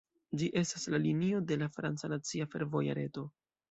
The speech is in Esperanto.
Ĝi estas la linio de la franca nacia fervoja reto.